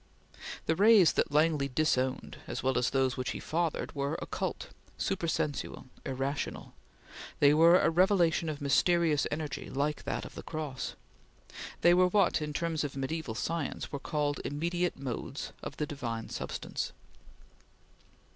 The rays that Langley disowned, as well as those which he fathered, were occult, supersensual, irrational; they were a revelation of mysterious energy like that of the Cross; they were what, in terms of mediaeval science, were called immediate modes of the divine substance.